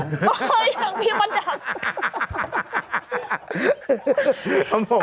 เฮ่ยอย่างพี่มันกับ